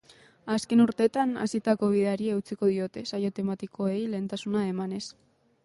Azken urteetan hasitako bideari eutsiko diote, saio tematikoei lehentasuna emanez.